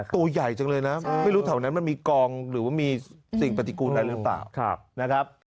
ตัวใหญ่จังเลยนะไม่รู้ที่เท่านั้นมันมีกองหรือมีสิ่งปฏิกุณะหรือเปล่า